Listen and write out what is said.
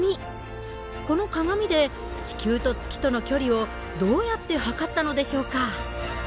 この鏡で地球と月との距離をどうやって測ったのでしょうか？